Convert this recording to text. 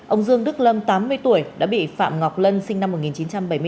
ông dương đức lâm tám mươi tuổi đã bị phạm ngọc lân sinh năm một nghìn chín trăm bảy mươi bốn